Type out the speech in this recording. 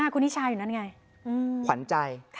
คุณพี่ชายอยู่นั่นไง